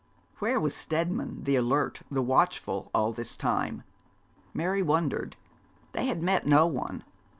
Where was Steadman, the alert, the watchful, all this time? Mary wondered. They had met no one.